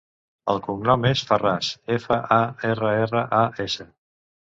El cognom és Farras: efa, a, erra, erra, a, essa.